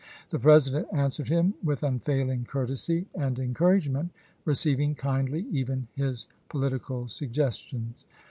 The President answered him with unfailing courtesy and encour agement receiving kindly even his political sug gestions.